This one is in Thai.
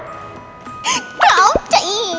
เข้าใจ